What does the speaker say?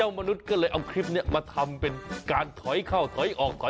มนุษย์ก็เลยเอาคลิปนี้มาทำเป็นการถอยเข้าถอยออกถอย